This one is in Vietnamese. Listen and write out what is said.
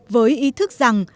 với ý thức rằng